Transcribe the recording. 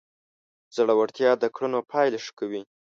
زړورتیا د کړنو پایله ښه کوي.